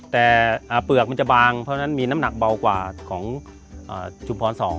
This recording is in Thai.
แต่เปลือกมันจะบางเพราะฉะนั้นมีน้ำหนักเบากว่าของชุมพร๒